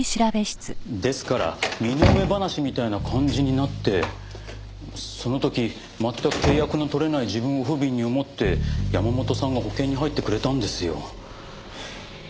ですから身の上話みたいな感じになってその時全く契約の取れない自分を不憫に思って山本さんが保険に入ってくれたんですよ。